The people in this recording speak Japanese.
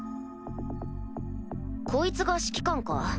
こいつが指揮官か？